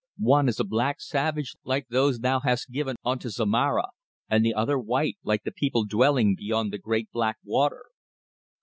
One is a black savage like those thou hast given unto Zomara, and the other white, like the people dwelling beyond the great black water."